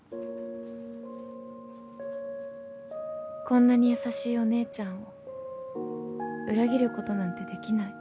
こんなに優しいお姉ちゃんを裏切ることなんてできない